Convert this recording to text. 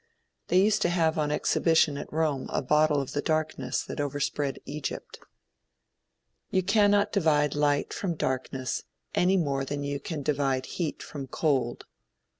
They used to have on exhibition at Rome a bottle of the darkness that overspread Egypt. You cannot divide light from darkness any more than you can divide heat from cold.